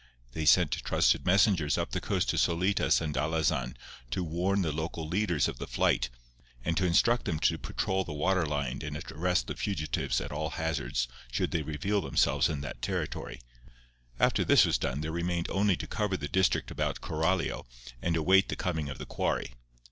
They sent trusted messengers up the coast to Solitas and Alazan to warn the local leaders of the flight, and to instruct them to patrol the water line and arrest the fugitives at all hazards should they reveal themselves in that territory. After this was done there remained only to cover the district about Coralio and await the coming of the quarry.